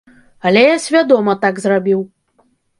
Але я свядома так зрабіў.